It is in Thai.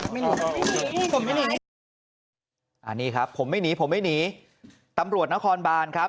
หนีผมไม่หนีไม่หนีอ่านี่ครับผมไม่หนีผมไม่หนีตำรวจนครบานครับ